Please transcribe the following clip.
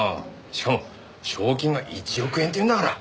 しかも賞金が１億円っていうんだから。